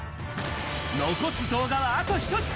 残す動画はあと１つ。